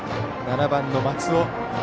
７番、松尾。